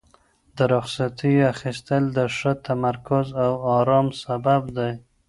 د رخصتیو اخیستل د ښه تمرکز او ارام سبب دی.